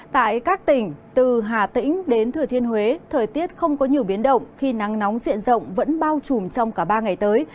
tại các tỉnh từ hà tĩnh đến thừa thiên huế thời tiết không có nhiều biến động khi nắng nóng diện rộng vẫn bao trùm trong cả ba ngày tới